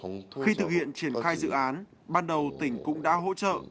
tạo nghề tuyên quang khi thực hiện triển khai dự án ban đầu tỉnh cũng đã hỗ trợ